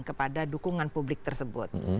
kepada dukungan publik tersebut